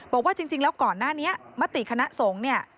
บอกว่าจริงแล้วก่อนหน้านี้มติคณะสงฆ์เนี่ย